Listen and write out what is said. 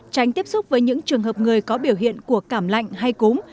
tránh tiếp xúc với những trường hợp người có biểu hiện của cảm lạnh hay cúm